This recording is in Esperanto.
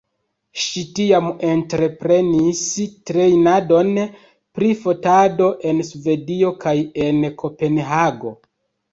Ŝi tiam entreprenis trejnadon pri fotado en Svedio kaj en Kopenhago.